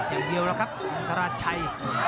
อย่างเดียวแล้วครับอินทราชัย